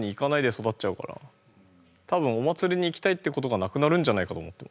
多分お祭りに行きたいってことがなくなるんじゃないかと思ってますね。